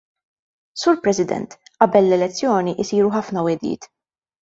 Sur President, qabel l-elezzjoni jsiru ħafna wegħdiet.